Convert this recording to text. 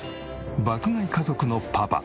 爆買い家族のパパ